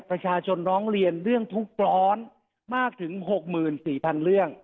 ประชาชนร้องเรียนเรื่องทุกข์ร้อนมากถึง๖๔๐๐๐เรื่อง